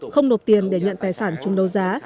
không nộp tiền để nhận tài sản chung đấu giá